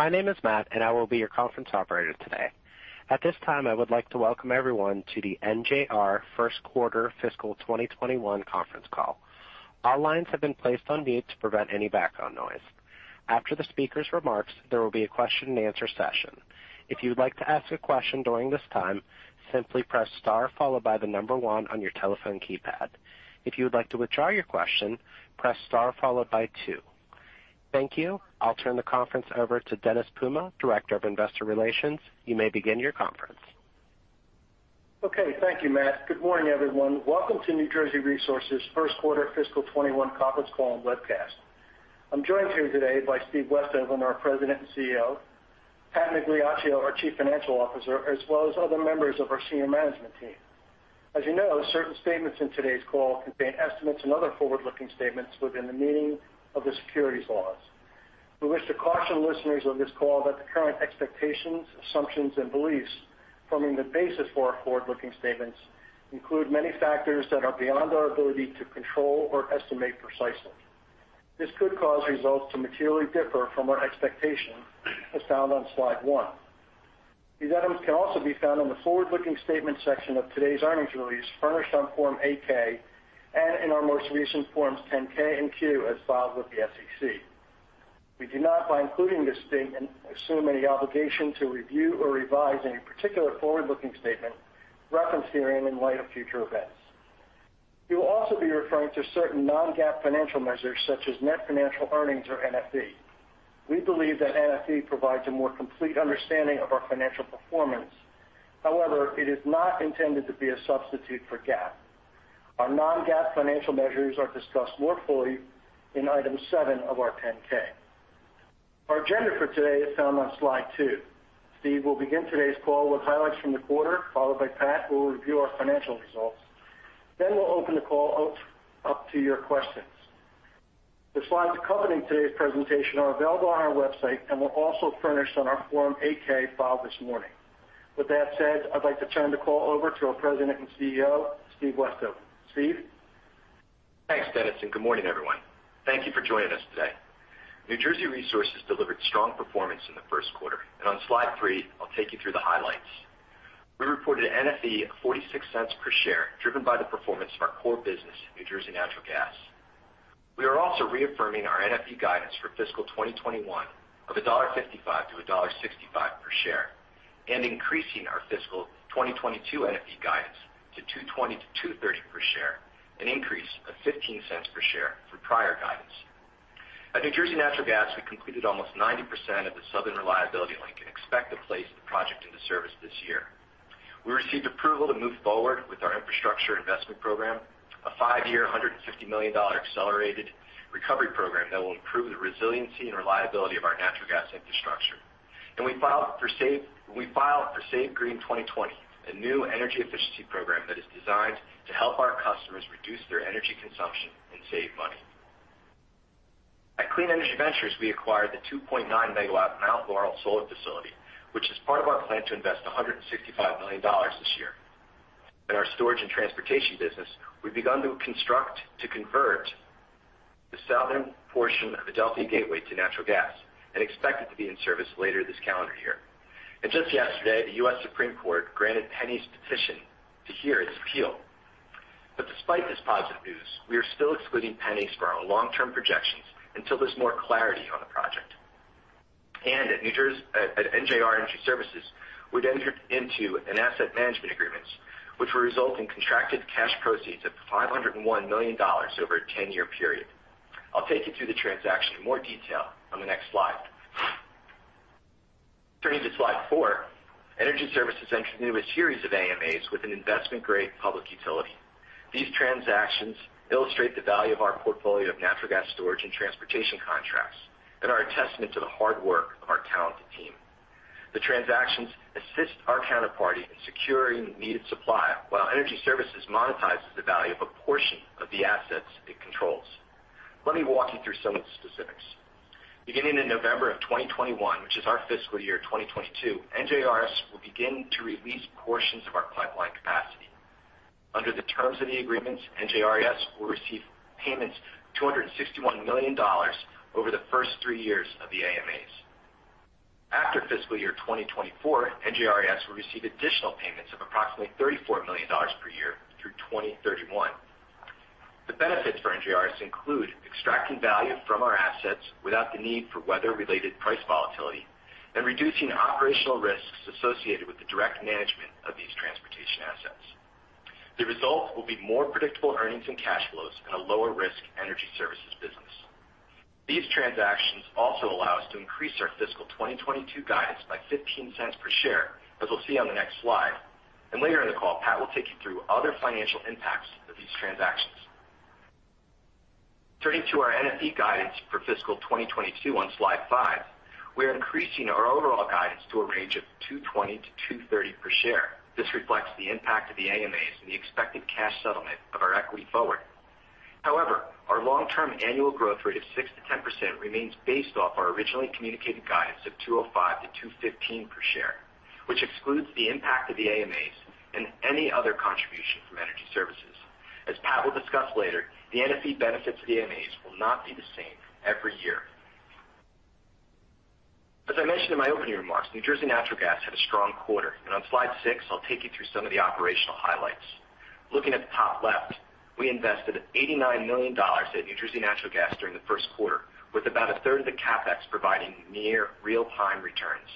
Good morning. My name is Matt, and I will be your conference operator today. At this time, I would like to welcome everyone to the NJR first quarter fiscal 2021 conference call. All lines have been placed on mute to prevent any background noise. After the speaker's remarks, there will be a question-and-answer session. If you'd like to ask a question during this time, simply press star followed by one on your telephone keypad. If you would like to withdraw your question, press star followed by two. Thank you. I'll turn the conference over to Dennis Puma, Director of Investor Relations. You may begin your conference. Okay. Thank you, Matt. Good morning, everyone. Welcome to New Jersey Resources first quarter fiscal 2021 conference call and webcast. I'm joined here today by Steve Westhoven, our President and CEO, Pat Migliaccio, our Chief Financial Officer, as well as other members of our senior management team. As you know, certain statements in today's call contain estimates and other forward-looking statements within the meaning of the securities laws. We wish to caution listeners of this call that the current expectations, assumptions, and beliefs forming the basis for our forward-looking statements include many factors that are beyond our ability to control or estimate precisely. This could cause results to materially differ from our expectations, as found on slide one. These items can also be found on the forward-looking statements section of today's earnings release, furnished on Form 8-K, and in our most recent Forms 10-K and Q, as filed with the SEC. We do not, by including this statement, assume any obligation to review or revise any particular forward-looking statement referenced herein in light of future events. We will also be referring to certain non-GAAP financial measures, such as net financial earnings, or NFE. We believe that NFE provides a more complete understanding of our financial performance. However, it is not intended to be a substitute for GAAP. Our non-GAAP financial measures are discussed more fully in item seven of our 10-K. Our agenda for today is found on slide two. Steve will begin today's call with highlights from the quarter, followed by Pat, who will review our financial results. We'll open the call up to your questions. The slides accompanying today's presentation are available on our website and were also furnished on our Form 8-K filed this morning. With that said, I'd like to turn the call over to our President and CEO, Steve Westhoven. Steve? Thanks, Dennis. Good morning, everyone. Thank you for joining us today. New Jersey Resources delivered strong performance in the first quarter, and on slide three, I'll take you through the highlights. We reported an NFE of $0.46 per share, driven by the performance of our core business, New Jersey Natural Gas. We are also reaffirming our NFE guidance for fiscal 2021 of $1.55-$1.65 per share and increasing our fiscal 2022 NFE guidance to $2.20-$2.30 per share, an increase of $0.15 per share from prior guidance. At New Jersey Natural Gas, we completed almost 90% of the Southern Reliability Link and expect to place the project into service this year. We received approval to move forward with our infrastructure investment program, a five-year, $150 million accelerated recovery program that will improve the resiliency and reliability of our natural gas infrastructure. We filed for SAVEGREEN 2020, a new energy efficiency program that is designed to help our customers reduce their energy consumption and save money. At Clean Energy Ventures, we acquired the 2.9 MW Mount Laurel Solar Facility, which is part of our plan to invest $165 million this year. In our Storage and Transportation business, we've begun to convert the southern portion of Adelphia Gateway to natural gas and expect it to be in service later this calendar year. Just yesterday, the U.S. Supreme Court granted PennEast's petition to hear its appeal. Despite this positive news, we are still excluding PennEast from our long-term projections until there's more clarity on the project. At NJR Energy Services, we've entered into asset management agreements which will result in contracted cash proceeds of $501 million over a 10-year period. I'll take you through the transaction in more detail on the next slide. Turning to slide four, Energy Services entered into a series of AMAs with an investment-grade public utility. These transactions illustrate the value of our portfolio of natural gas storage and transportation contracts and are a testament to the hard work of our talented team. The transactions assist our counterparty in securing needed supply, while Energy Services monetizes the value of a portion of the assets it controls. Let me walk you through some of the specifics. Beginning in November 2021, which is our fiscal year 2022, NJRES will begin to release portions of our pipeline capacity. Under the terms of the agreements, NJRES will receive payments of $261 million over the first three years of the AMAs. After fiscal year 2024, NJRES will receive additional payments of approximately $34 million per year through 2031. The benefits for NJRES include extracting value from our assets without the need for weather-related price volatility and reducing operational risks associated with the direct management of these transportation assets. The result will be more predictable earnings and cash flows and a lower-risk Energy Services business. These transactions also allow us to increase our fiscal 2022 guidance by $0.15 per share, as we'll see on the next slide. Later in the call, Pat will take you through other financial impacts of these transactions. Turning to our NFE guidance for fiscal 2022 on slide five, we are increasing our overall guidance to a range of $2.20-$2.30 per share. This reflects the impact of the AMAs and the expected cash settlement of our equity forward. However, our long-term annual growth rate of 6%-10% remains based off our originally communicated guidance of $2.05-$2.15 per share, which excludes the impact of the AMAs and any other contribution from Energy Services. As Pat will discuss later, the NFE benefit to the AMAs will not be the same every year. As I mentioned in my opening remarks, New Jersey Natural Gas had a strong quarter. On slide six, I'll take you through some of the operational highlights. Looking at the top left, we invested $89 million at New Jersey Natural Gas during the first quarter, with about a third of the CapEx providing near real-time returns.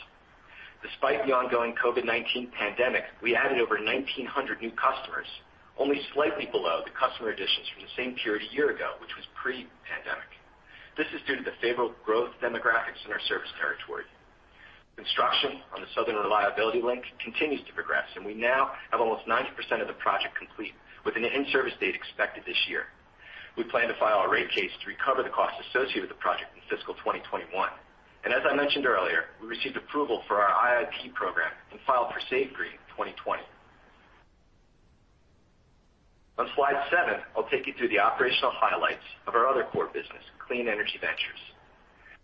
Despite the ongoing COVID-19 pandemic, we added over 1,900 new customers, only slightly below the customer additions from the same period a year ago, which was pre-pandemic. This is due to the favorable growth demographics in our service territory. Construction on the Southern Reliability Link continues to progress, and we now have almost 90% of the project complete, with an in-service date expected this year. We plan to file a rate case to recover the costs associated with the project in fiscal 2021. As I mentioned earlier, we received approval for our IIP program and filed for SAVEGREEN 2020. On slide seven, I'll take you through the operational highlights of our other core business, Clean Energy Ventures.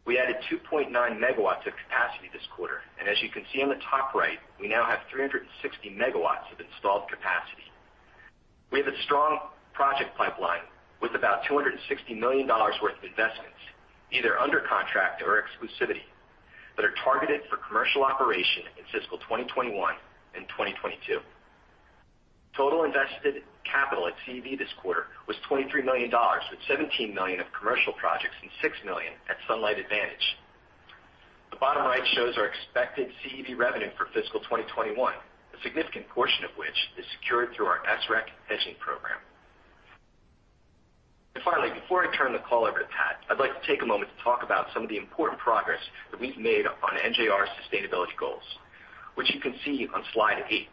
We added 2.9 MW of capacity this quarter, and as you can see on the top right, we now have 360 megawatts of installed capacity. We have a strong project pipeline with about $260 million worth of investments, either under contract or exclusivity, that are targeted for commercial operation in fiscal 2021 and 2022. Total invested capital at CEV this quarter was $23 million, with $17 million of commercial projects and $6 million at The Sunlight Advantage. The bottom right shows our expected CEV revenue for fiscal 2021, a significant portion of which is secured through our SREC hedging program. Finally, before I turn the call over to Pat, I'd like to take a moment to talk about some of the important progress that we've made on NJR's sustainability goals, which you can see on slide eight.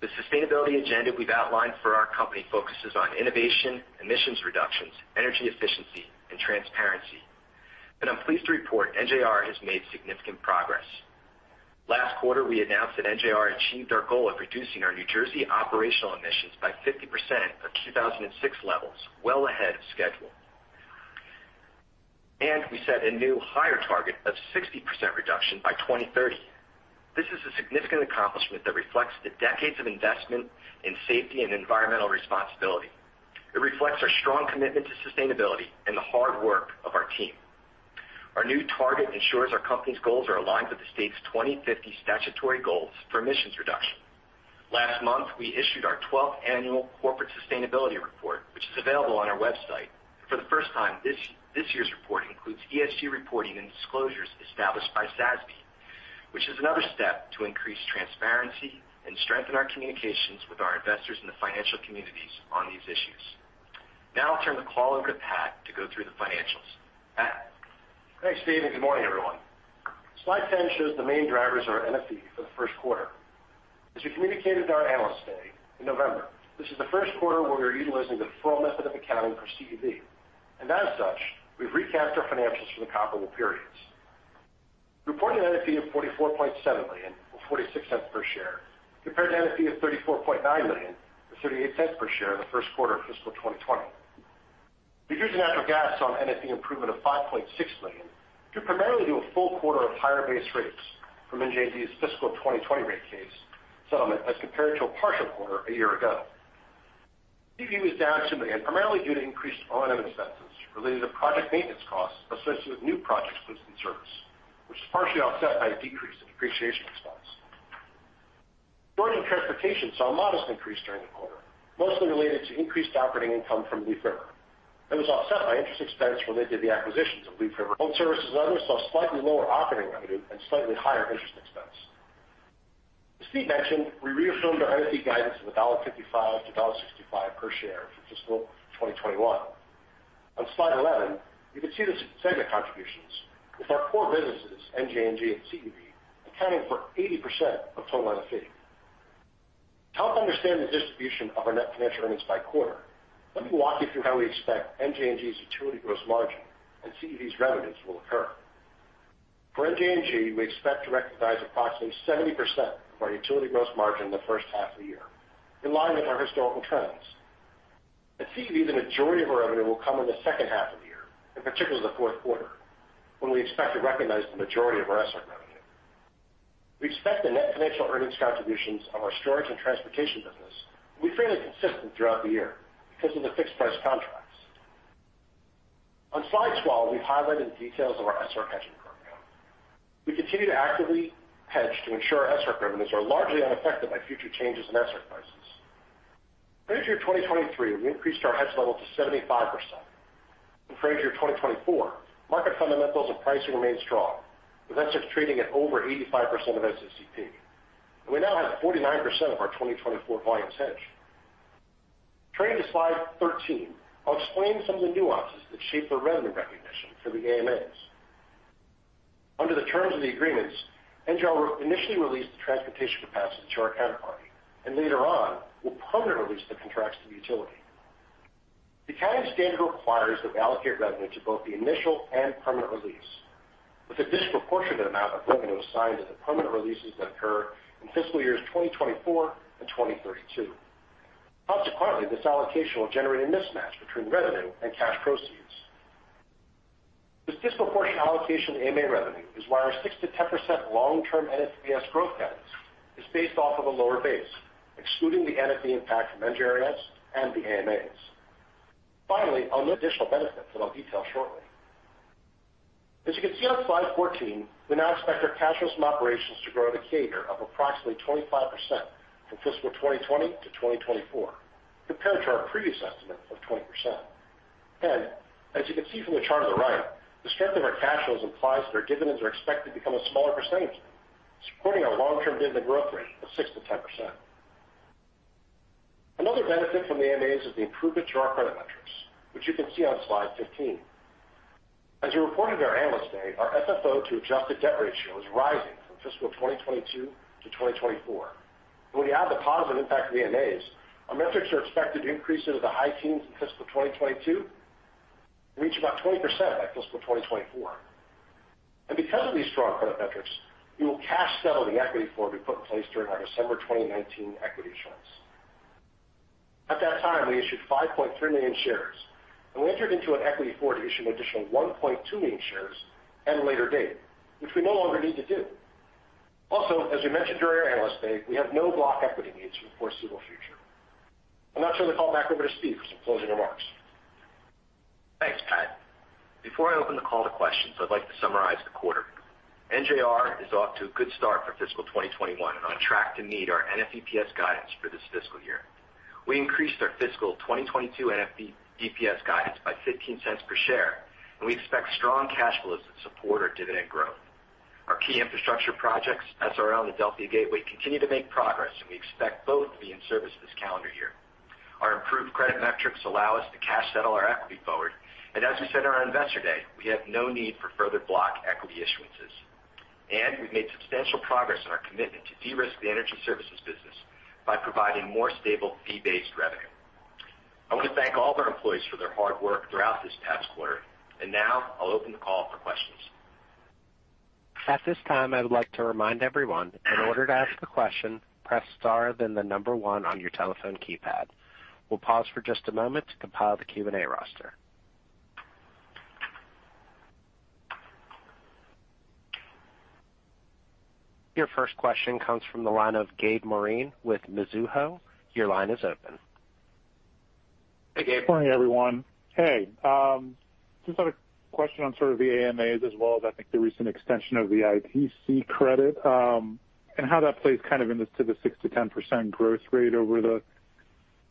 The sustainability agenda we've outlined for our company focuses on innovation, emissions reductions, energy efficiency, and transparency. I'm pleased to report NJR has made significant progress. Last quarter, we announced that NJR achieved our goal of reducing our New Jersey operational emissions by 50% of 2006 levels, well ahead of schedule. We set a new higher target of 60% reduction by 2030. This is a significant accomplishment that reflects the decades of investment in safety and environmental responsibility. It reflects our strong commitment to sustainability and the hard work of our team. Our new target ensures our company's goals are aligned with the state's 2050 statutory goals for emissions reduction. Last month, we issued our 12th annual corporate sustainability report, which is available on our website. For the first time, this year's report includes ESG reporting and disclosures established by SASB, which is another step to increase transparency and strengthen our communications with our investors in the financial communities on these issues. Now I'll turn the call over to Pat to go through the financials. Pat? Thanks, Steve. Good morning, everyone. Slide 10 shows the main drivers of our NFE for the first quarter. As we communicated to our Analyst Day in November, this is the first quarter where we are utilizing the full method of accounting for CEV. As such, we've recapped our financials for the comparable periods. Reported NFE of $44.7 million or $0.46 per share compared to NFE of $34.9 million or $0.38 per share in the first quarter of fiscal 2020. New Jersey Natural Gas saw an NFE improvement of $5.6 million due primarily to a full quarter of higher base rates from NJR's fiscal 2020 rate case settlement as compared to a partial quarter a year ago. CEV was down $2 million, primarily due to increased O&M expenses related to project maintenance costs associated with new projects put in service, which is partially offset by a decrease in depreciation expense. Storage and Transportation saw a modest increase during the quarter, mostly related to increased operating income from Leaf River. That was offset by interest expense related to the acquisitions of Leaf River. Home Services and Other saw slightly lower operating revenue and slightly higher interest expense. As Steve mentioned, we reaffirmed our NFE guidance of $1.55-$1.65 per share for fiscal 2021. On slide 11, you can see the segment contributions with our core businesses, NJNG and CEV, accounting for 80% of total NFE. To help understand the distribution of our net financial earnings by quarter, let me walk you through how we expect NJNG's utility gross margin and CEV's revenues will occur. For NJNG, we expect to recognize approximately 70% of our utility gross margin in the first half of the year, in line with our historical trends. At CEV, the majority of our revenue will come in the second half of the year, in particular the fourth quarter, when we expect to recognize the majority of our SREC revenue. We expect the net financial earnings contributions of our Storage and Transportation business to be fairly consistent throughout the year because of the fixed price contracts. On slide 12, we've highlighted the details of our SREC hedging program. We continue to actively hedge to ensure our SREC revenues are largely unaffected by future changes in SREC prices. For the year 2023, we increased our hedge level to 75%. For the year 2024, market fundamentals and pricing remained strong, with SREC trading at over 85% of SACP. We now have 49% of our 2024 volumes hedged. Turning to slide 13, I'll explain some of the nuances that shape the revenue recognition for the AMAs. Under the terms of the agreements, NJR initially released the transportation capacity to our counterparty and later on will permanently release the contracts to the utility. The accounting standard requires that we allocate revenue to both the initial and permanent release, with a disproportionate amount of revenue assigned to the permanent releases that occur in fiscal years 2024 and 2032. Consequently, this allocation will generate a mismatch between revenue and cash proceeds. This disproportionate allocation of AMA revenue is why our 6%-10% long-term NFEPS growth guidance is based off of a lower base, excluding the NFE impact from NJRES and the AMAs. Finally, additional benefits that I'll detail shortly. As you can see on slide 14, we now expect our cash flows from operations to grow at a CAGR of approximately 25% from fiscal 2020 to 2024, compared to our previous estimate of 20%. As you can see from the chart on the right, the strength of our cash flows implies that our dividends are expected to become a smaller percentage, supporting our long-term dividend growth rate of 6%-10%. Another benefit from the AMAs is the improvement to our credit metrics, which you can see on slide 15. As we reported at our Analyst Day, our FFO to adjusted debt ratio is rising from fiscal 2022 to 2024. When you add the positive impact of the AMAs, our metrics are expected to increase into the high teens in fiscal 2022, reach about 20% by fiscal 2024. Because of these strong credit metrics, we will cash settle the equity forward we put in place during our December 2019 equity issuance. At that time, we issued 5.3 million shares, and we entered into an equity forward to issue an additional 1.2 million shares at a later date, which we no longer need to do. As we mentioned during our Investor Day, we have no block equity needs in the foreseeable future. I'll now turn the call back over to Steve for some closing remarks. Thanks, Pat. Before I open the call to questions, I'd like to summarize the quarter. NJR is off to a good start for fiscal 2021 and on track to meet our NFEPS guidance for this fiscal year. We increased our fiscal 2022 NFEPS guidance by $0.15 per share. We expect strong cash flows to support our dividend growth. Our key infrastructure projects, SRL and Adelphia Gateway, continue to make progress. We expect both to be in service this calendar year. Our improved credit metrics allow us to cash settle our equity forward. As we said on our Investor Day, we have no need for further block equity issuances. We've made substantial progress on our commitment to de-risk the Energy Services business by providing more stable fee-based revenue. I want to thank all of our employees for their hard work throughout this past quarter. Now I'll open the call for questions. At this time, I would like to remind everyone, in order to ask a question, press star, then the number one on your telephone keypad. We'll pause for just a moment to compile the Q&A roster. Your first question comes from the line of Gabe Moreen with Mizuho. Your line is open. Hey, Gabe. Good morning, everyone. I just have a question on sort of the AMAs as well as, I think, the recent extension of the ITC credit, and how that plays kind of into the 6%-10% growth rate over the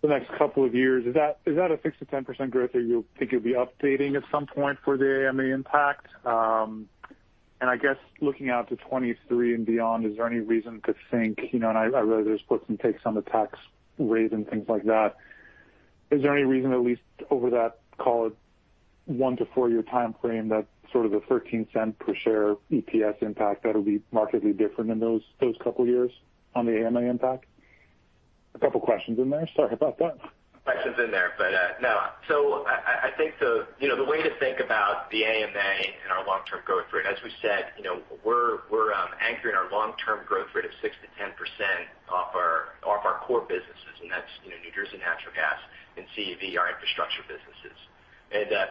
next couple of years. Is that a 6%-10% growth that you think you'll be updating at some point for the AMA impact? I guess looking out to 2023 and beyond, is there any reason to think, and I read there's puts and takes on the tax rate and things like that. Is there any reason, at least over that, call it a one-to-four-year timeframe, that sort of the $0.13 per share EPS impact that'll be markedly different in those couple of years on the AMA impact? A couple of questions in there. Sorry about that. Questions in there. No. I think the way to think about the AMA and our long-term growth rate, as we said, we're anchoring our long-term growth rate of 6%-10% off our core businesses, and that's New Jersey Natural Gas and CEV, our infrastructure businesses.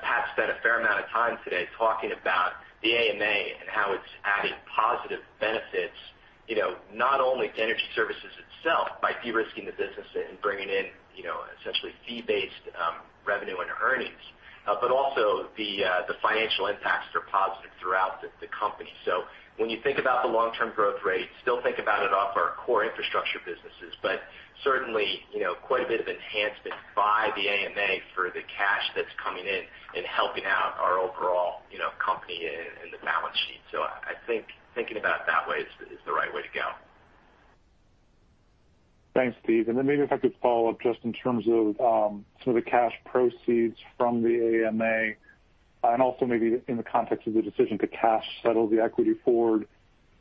Pat spent a fair amount of time today talking about the AMA and how it's adding positive benefits, not only to Energy Services itself by de-risking the business and bringing in essentially fee-based revenue and earnings, but also the financial impacts are positive throughout the company. When you think about the long-term growth rate, still think about it off our core infrastructure businesses, but certainly, quite a bit of enhancement by the AMA for the cash that's coming in and helping out our overall company and the balance sheet. I think thinking about it that way is the right way to go. Thanks, Steve. Maybe if I could follow up just in terms of some of the cash proceeds from the AMA and also maybe in the context of the decision to cash settle the equity forward.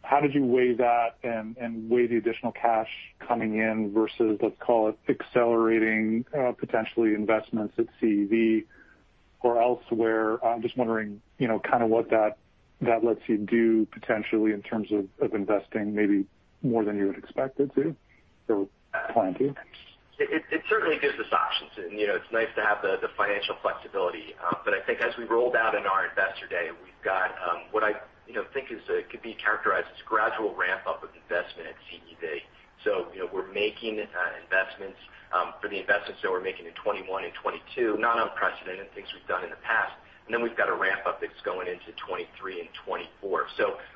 How did you weigh that and weigh the additional cash coming in versus, let's call it, accelerating potentially investments at CEV or elsewhere? I'm just wondering kind of what that lets you do potentially in terms of investing, maybe more than you would expect it to or plan to. It certainly gives us options, and it's nice to have the financial flexibility. I think as we rolled out in our Investor Day, we've got what I think could be characterized as a gradual ramp-up of investment at CEV. We're making investments. For the investments that we're making in 2021 and 2022, not unprecedented, things we've done in the past. We've got a ramp-up that's going into 2023 and 2024.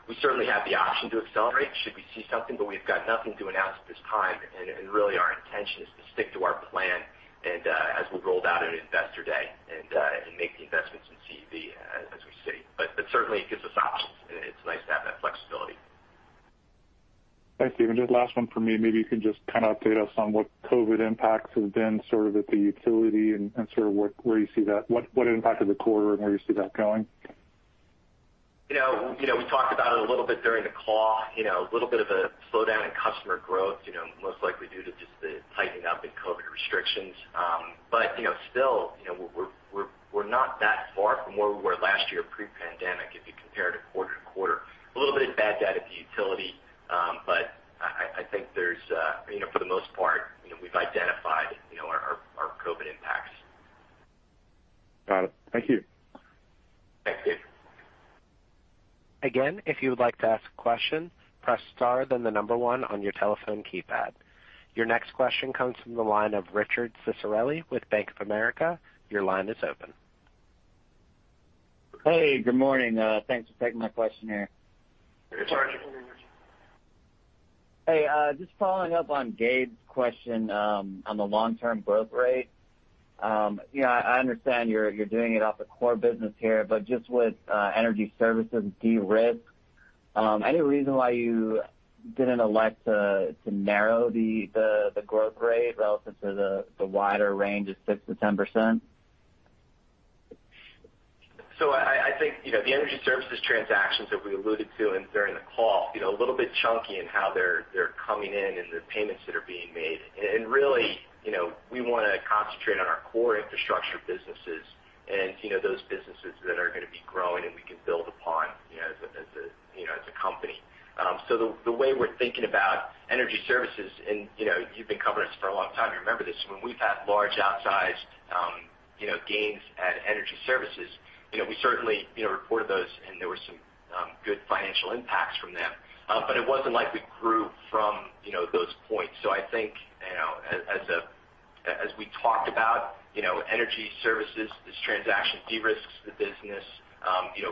We certainly have the option to accelerate should we see something, but we've got nothing to announce at this time. Our intention is to stick to our plan as we rolled out at Investor Day and make the investments in CEV as we see. Certainly, it gives us options, and it's nice to have that flexibility. Thanks, Steve. Just last one from me. Maybe you can just kind of update us on what COVID impacts have been sort of at the utility and sort of where you see what impact of the quarter and where you see that going. We talked about it a little bit during the call. A little bit of a slowdown in customer growth, most likely due to just the tightening up in COVID restrictions. Still, we're not that far from where we were last year pre-pandemic, if you compare it quarter-over-quarter. A little bit of bad data at the utility. For the most part, we've identified our COVID impacts. Got it. Thank you. Thank you. If you would like to ask a question, press star then the number one on your telephone keypad. Your next question comes from the line of Richard Ciciarelli with Bank of America. Your line is open. Hey, good morning. Thanks for taking my question here. Hey, Richard. Hey, just following up on Gabe's question on the long-term growth rate. I understand you're doing it off the core business here, but just with Energy Services de-risk, any reason why you didn't elect to narrow the growth rate relative to the wider range of 6%-10%? I think, the Energy Services transactions that we alluded to during the call, a little bit chunky in how they're coming in and the payments that are being made. Really, we want to concentrate on our core infrastructure businesses, and those businesses that are going to be growing, and we can build upon as a company. The way we're thinking about Energy Services, and you've been covering us for a long time, you remember this, when we've had large outsized gains at Energy Services. We certainly reported those and there were some good financial impacts from them. It wasn't like we grew from those points. I think, as we talked about Energy Services, this transaction de-risks the business,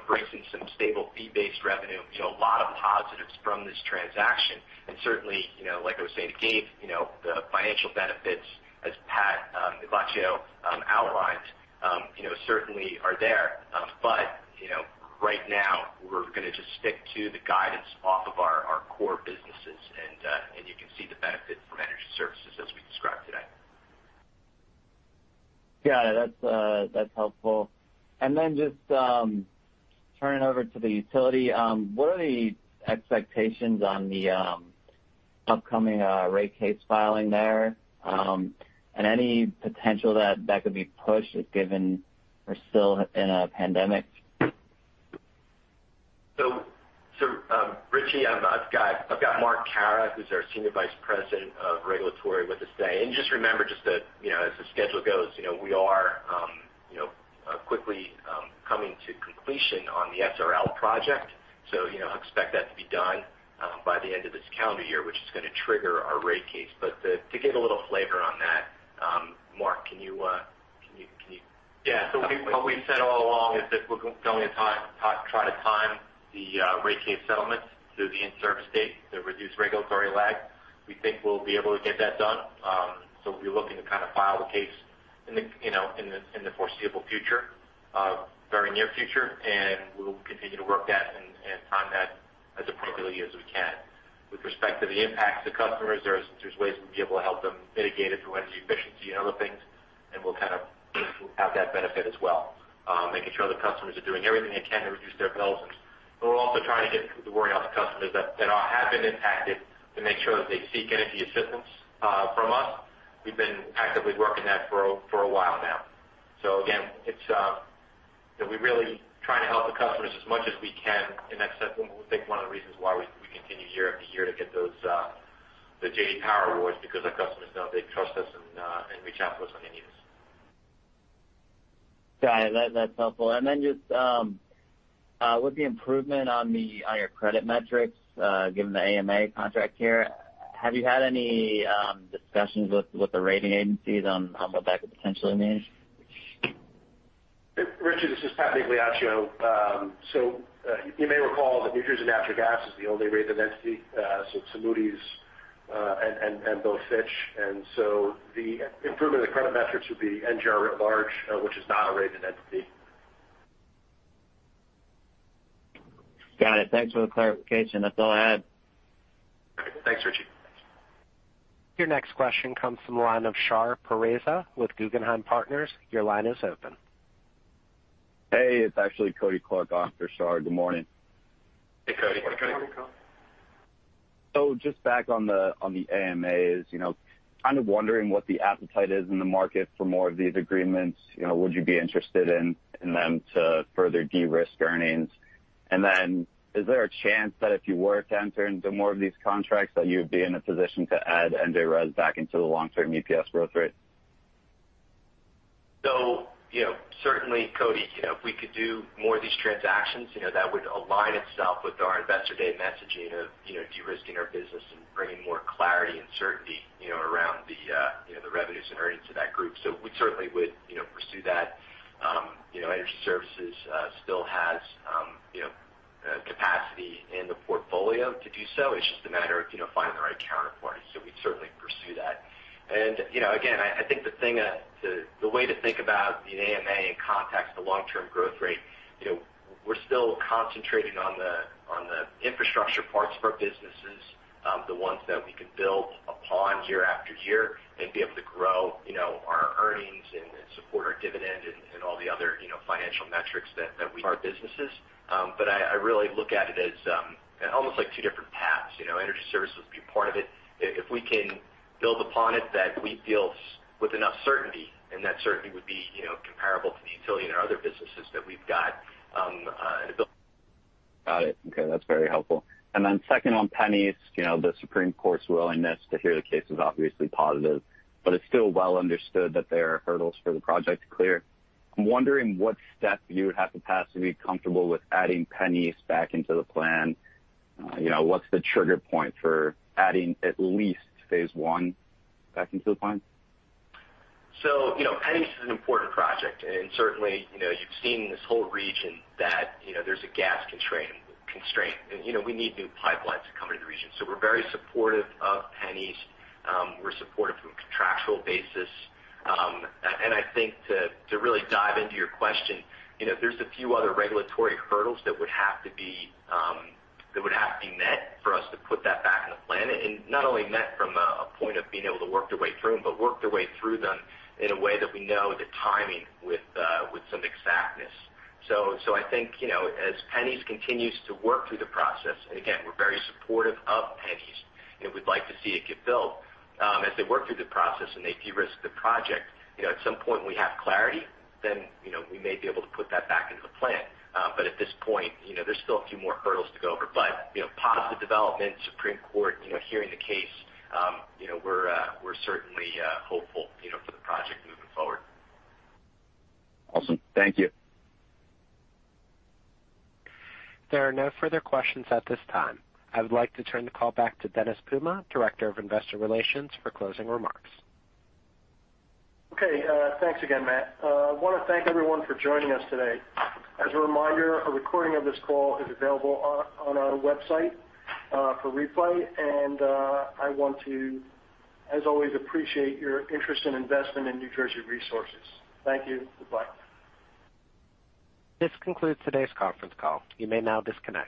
brings in some stable fee-based revenue. A lot of positives from this transaction. Certainly, like I was saying to Gabe, the financial benefits, as Pat Migliaccio outlined, certainly are there. Right now, we're going to just stick to the guidance off of our core businesses and you can see the benefit from Energy Services as we described today. Got it. That's helpful. Just turning over to the utility. What are the expectations on the upcoming rate case filing there? Any potential that could be pushed given we're still in a pandemic? Richard, I've got Mark Kahrer, who's our Senior Vice President of Regulatory with a say. Just remember, as the schedule goes, we are quickly coming to completion on the SRL project. Expect that to be done by the end of this calendar year, which is going to trigger our rate case. To give a little flavor on that, Mark, can you. Yeah. What we've said all along is that we're going to try to time the rate case settlement to the in-service date to reduce regulatory lag. We think we'll be able to get that done. We'll be looking to kind of file the case in the foreseeable future, very near future, and we'll continue to work on that and time that as appropriately as we can. With respect to the impacts to customers, there's ways we can be able to help them mitigate it through energy efficiency and other things, and we'll kind of have that benefit as well. Making sure the customers are doing everything they can to reduce their bills. We're also trying to get the word out to customers that have been impacted to make sure that they seek energy assistance from us. We've been actively working that for a while now. Again, we're really trying to help the customers as much as we can in that sense. We think one of the reasons why we continue year after year to get those JD Power awards because our customers know they trust us and reach out to us when they need us. Got it. That's helpful. Just with the improvement on your credit metrics, given the AMA contract here, have you had any discussions with the rating agencies on what that could potentially mean? Richard, this is Pat Migliaccio. You may recall that New Jersey Natural Gas is the only rated entity, it's Moody's, and both Fitch. The improvement of the credit metrics would be NJR writ large, which is not a rated entity. Got it. Thanks for the clarification. That's all I had. Great. Thanks, Richard. Your next question comes from the line of Shar Pourreza with Guggenheim Partners. Your line is open. Hey, it's actually Kody Clark on for Shar. Good morning. Hey, Kody. Good morning, Kody. Just back on the AMAs. Kind of wondering what the appetite is in the market for more of these agreements. Would you be interested in them to further de-risk earnings? Is there a chance that if you were to enter into more of these contracts, that you would be in a position to add NJRES back into the long-term EPS growth rate? Certainly, Kody, if we could do more of these transactions, that would align itself with our Investor Day messaging of de-risking our business and bringing more clarity and certainty around the revenues and earnings of that group. We certainly would pursue that. Energy Services still has capacity in the portfolio to do so. It's just a matter of finding the right counterparty. We would certainly pursue that. Again, I think the way to think about the AMA in context of long-term growth rate, we're still concentrating on the infrastructure parts of our businesses, the ones that we can build upon year after year and be able to grow our earnings and support our dividend and all the other financial metrics that we, our businesses. I really look at it as almost like two different paths. Energy Services would be part of it. If we can build upon it that we feel with enough certainty, and that certainly would be comparable to the utility in our other businesses. Got it. Okay. That's very helpful. Second on PennEast, the Supreme Court's willingness to hear the case is obviously positive, but it's still well understood that there are hurdles for the project to clear. I'm wondering what steps you would have to pass to be comfortable with adding PennEast back into the plan. What's the trigger point for adding at least phase one back into the plan? PennEast is an important project, and certainly, you've seen this whole region that there's a gas constraint. We need new pipelines to come into the region. We're very supportive of PennEast. We're supportive from a contractual basis. I think to really dive into your question, there's a few other regulatory hurdles that would have to be met for us to put that back in the plan. Not only met from a point of being able to work their way through them, but work their way through them in a way that we know the timing with some exactness. I think, as PennEast continues to work through the process. Again, we're very supportive of PennEast, and we'd like to see it get built. As they work through the process and they de-risk the project, at some point, we have clarity, we may be able to put that back into the plan. At this point, there's still a few more hurdles to go over. Positive development, Supreme Court hearing the case. We're certainly hopeful for the project moving forward. Awesome. Thank you. There are no further questions at this time. I would like to turn the call back to Dennis Puma, Director of Investor Relations, for closing remarks. Okay. Thanks again, Matt. I want to thank everyone for joining us today. As a reminder, a recording of this call is available on our website for replay. I want to, as always, appreciate your interest and investment in New Jersey Resources. Thank you. Goodbye. This concludes today's conference call. You may now disconnect.